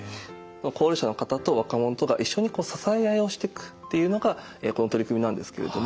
高齢者の方と若者とが一緒に支え合いをしていくっていうのがこの取り組みなんですけれども。